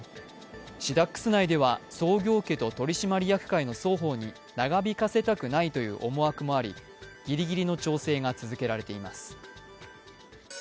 シダックス内では、創業家と取締役会の双方に長引かせたくないという思惑もありギリギリの調整が続けられています。